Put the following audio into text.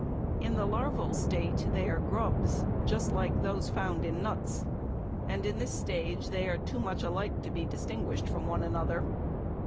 In the larval state they are grubs, just like those found, in nuts; in this stage they are too much alike to be distinguished from one another.